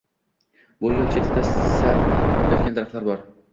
Bu yo’l chetida saf tortgan daraxtlar bor.